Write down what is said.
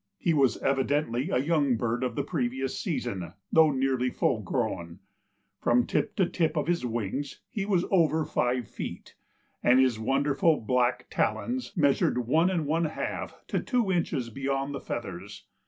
He was evidently a young bird of the previous season, though nearly full grown. From tip to tip of his wings he was over five feet, and his wonderful black talons measured one and one half to two inches beyond the feathers.